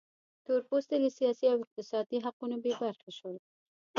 تور پوستي له سیاسي او اقتصادي حقونو بې برخې شول.